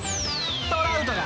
［トラウトが］